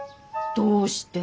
どうして？